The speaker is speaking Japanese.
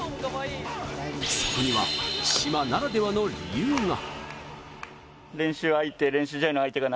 そこには島ならではの理由が。